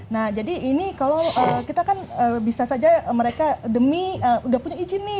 nah jadi ini kalau kita kan bisa saja mereka demi udah punya izin nih